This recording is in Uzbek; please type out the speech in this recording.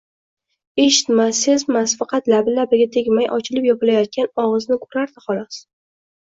Eshitmas, sezmas, faqat labi-labiga tegmay ochilib-yopilayotgan ogʼizni koʼrardi xolos.